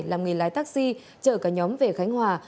làm nghề lái taxi chở cả nhóm về khánh hòa